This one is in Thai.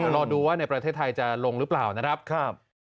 รอดูว่าในประเทศไทยจะลงหรือเปล่านะครับ